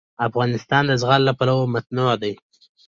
افغانستان د زغال له پلوه متنوع دی.